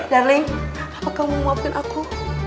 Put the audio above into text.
darling apa kamu mau maafin aku